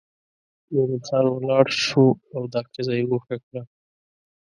مومن خان ولاړ شو او دا ښځه یې ګوښه کړه.